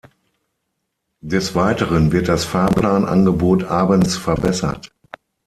Des Weiteren wird das Fahrplanangebot abends verbessert.